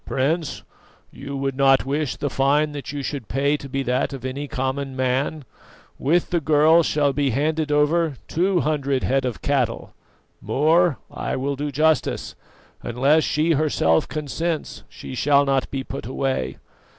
Prince, you would not wish the fine that you should pay to be that of any common man. With the girl shall be handed over two hundred head of cattle. More, I will do justice: unless she herself consents, she shall not be put away.